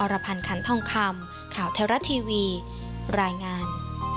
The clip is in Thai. รพันธ์ขันทองคำข่าวไทยรัฐทีวีรายงาน